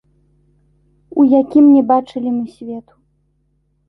У якім не бачылі мы свету.